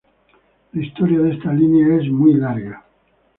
La historia de esta línea es muy larga.